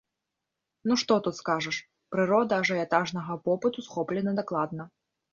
Ну што тут скажаш, прырода ажыятажнага попыту схоплена дакладна.